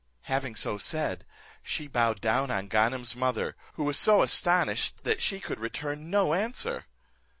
"Having so said, she bowed down on Ganem's mother, who was so astonished that she could return no answer.